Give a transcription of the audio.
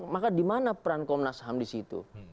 maka di mana peran komnas ham di situ